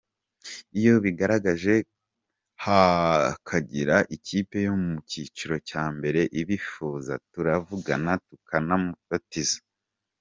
Iyo bigaragaje hakagira ikipe yo mu cyiciro cya mbere ibifuza turavugana tukamubatiza.